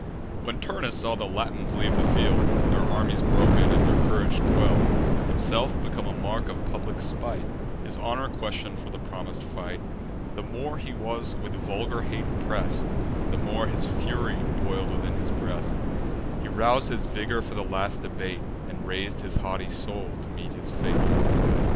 When Turnus saw the Latins leave the field, Their armies broken, and their courage quell'd, Himself become the mark of public spite, His honour question'd for the promis'd fight; The more he was with vulgar hate oppress'd, The more his fury boil'd within his breast: He rous'd his vigour for the last debate, And rais'd his haughty soul to meet his fate.